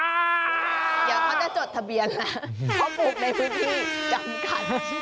เดี๋ยวเขาจะจดทะเบียนแล้วเขาปลูกในพื้นที่จำกัด